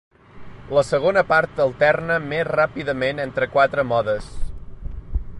La segona part alterna més ràpidament entre quatre modes.